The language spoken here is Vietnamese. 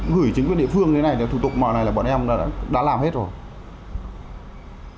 gửi chính quyền địa phương thủ tục mọi này là bọn em đã làm hết rồi